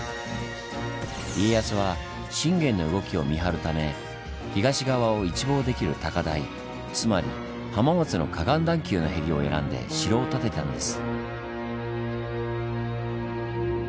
家康は信玄の動きを見張るため東側を一望できる高台つまり浜松の河岸段丘のへりを選んで城を建てたんです。